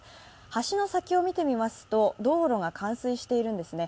橋の先を見てみますと道路が冠水しているんですね。